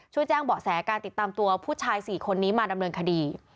ช่วยแจ้งเบาะแสการติดตามตัวผู้ชาย๔คนนี้มาดำเนินคดี